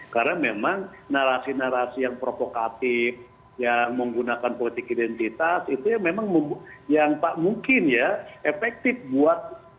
karena memang narasi narasi yang provokatif yang menggunakan politik identitas itu memang yang mungkin ya efektif buat